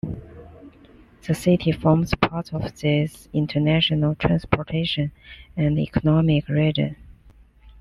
The city forms part of this international transportation and economic region.